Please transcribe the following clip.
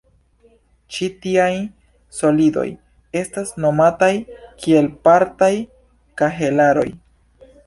Ĉi tiaj "solidoj" estas nomataj kiel partaj kahelaroj.